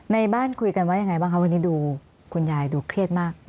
ในบ้านคุยกันว่ายังไงบ้างคะวันนี้ดูคุณยายดูเครียดมาก